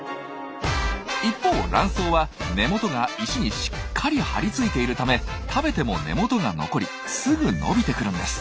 一方ラン藻は根元が石にしっかり張り付いているため食べても根元が残りすぐ伸びてくるんです。